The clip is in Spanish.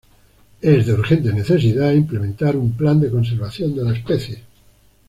Es de urgente necesidad implementar un plan de conservación de la especie.